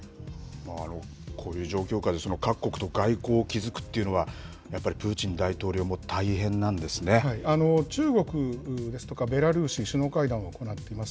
こういう状況下で各国と外交を築くというのは、やっぱりプー中国ですとか、ベラルーシと首脳会談を行っています。